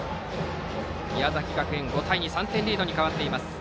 宮崎学園、５対２と３点リードに変わっています。